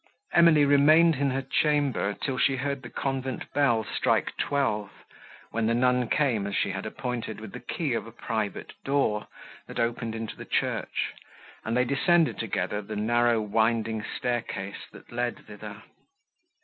Emily remained in her chamber, till she heard the convent bell strike twelve, when the nun came, as she had appointed, with the key of a private door, that opened into the church, and they descended together the narrow winding staircase, that led thither.